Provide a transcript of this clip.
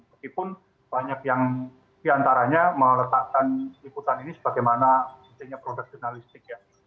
walaupun banyak yang diantaranya meletakkan peliputan ini sebagaimana sejenisnya productionalistik ya